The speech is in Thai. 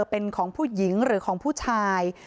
เป็นของผู้หญิงหรือของผู้ชาย